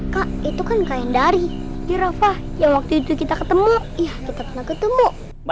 kak itu kan kaya dari di rafa yang waktu itu kita ketemu